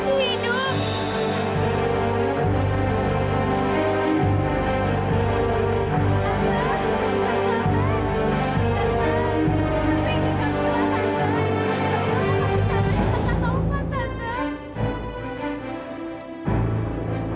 kamilah mau kasih kabar tentang kata ovan tante